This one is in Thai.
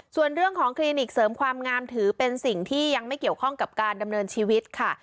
ส่วนเรื่องของคลินิกเสริมความงามถือเป็นสิ่งที่ยังไม่เกี่ยวข้องกับการดำเนินชีวิตค่ะ